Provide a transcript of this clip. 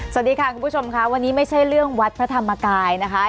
สวัสดีค่ะคุณผู้ชมค่ะวันนี้ไม่ใช่เรื่องวัดพระธรรมกายนะคะ